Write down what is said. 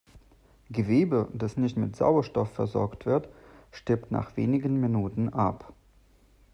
Gewebe, das nicht mit Sauerstoff versorgt wird, stirbt nach wenigen Minuten ab.